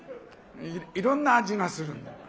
いろんな味がする。